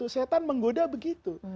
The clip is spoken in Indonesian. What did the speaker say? setan menggoda begitu